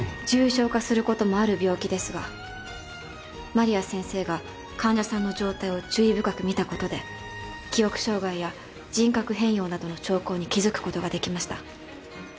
重症化することもある病気ですが麻里亜先生が患者さんの状態を注意深く見たことで記憶障害や人格変容などの兆候に気付くことができました。